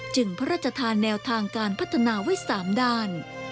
พระราชทานแนวทางการพัฒนาไว้๓ด้าน